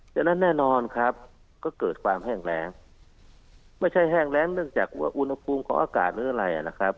ฉะนั้นแน่นอนครับก็เกิดความแห้งแรงไม่ใช่แห้งแรงเนื่องจากอุณหภูมิของอากาศหรืออะไรนะครับ